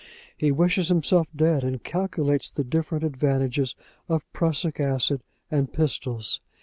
He wishes himself dead, and calculates the different advantages of prussic acid and pistols.